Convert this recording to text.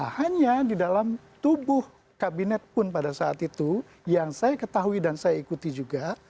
hanya di dalam tubuh kabinet pun pada saat itu yang saya ketahui dan saya ikuti juga